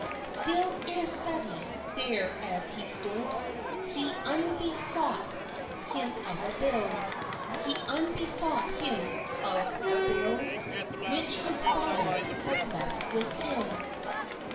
Still in a study there as he stood, He unbethought him of a bill, He unbethought him of a bill Which his father had left with him.